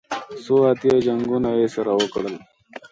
څو اتیا جنګونه یې سره وکړل.